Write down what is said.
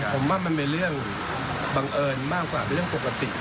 ผมว่ามันเป็นเรื่องบังเอิญมากกว่าเป็นเรื่องปกติ